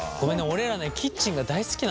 俺らねキッチンが大好きなのよ。